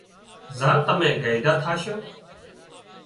زار تمين گئيڍا ٿاشو